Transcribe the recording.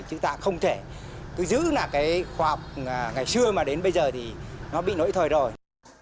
chứ ta không thể cứ giữ khoa học ngày xưa mà đến bây giờ thì nó bị nổi thời rồi